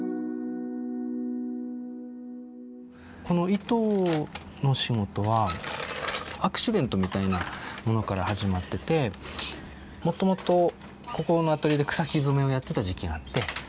この糸の仕事はアクシデントみたいなものから始まっててもともとここのアトリエで草木染めをやってた時期があって。